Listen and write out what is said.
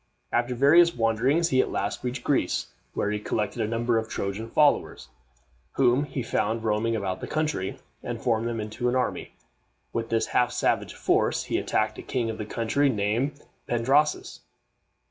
After various wanderings he at last reached Greece, where he collected a number of Trojan followers, whom he found roaming about the country, and formed them into an army. With this half savage force he attacked a king of the country named Pandrasus.